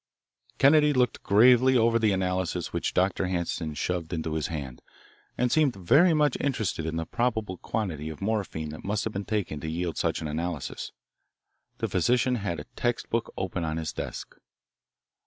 Kennedy looked gravely over the analysis which Dr. Hanson shoved into his hand, and seemed very much interested in the probable quantity of morphine that must have been taken to yield such an analysis. The physician had a text book open on his desk.